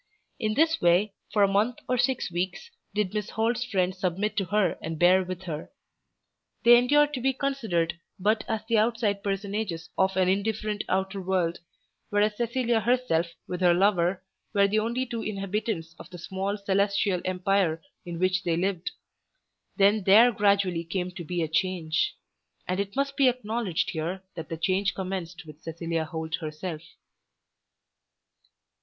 In this way, for a month or six weeks, did Miss Holt's friends submit to her and bear with her. They endured to be considered but as the outside personages of an indifferent outer world, whereas Cecilia herself with her lover were the only two inhabitants of the small celestial empire in which they lived. Then there gradually came to be a change. And it must be acknowledged here that the change commenced with Cecilia Holt herself.